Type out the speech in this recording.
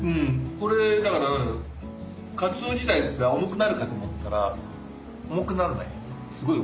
これだからかつお自体が重くなるかと思ったら重くなんない。